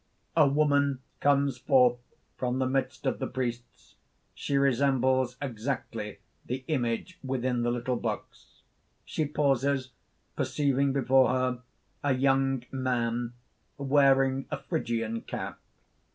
_ A Woman comes forth from the midst of the priests; she resembles exactly the image within the little box. _She pauses, perceiving before her a Young Man wearing a Phrygian cap.